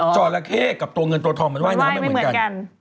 จราเข้กับตัวเงินตัวทองมันว่ายน้ำไม่เหมือนกัน